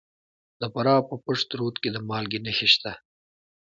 د فراه په پشت رود کې د مالګې نښې شته.